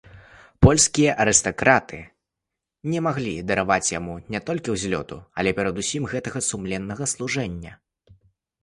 Польскія арыстакраты не маглі дараваць яму не толькі ўзлёту, але перадусім гэтага сумленнага служэння.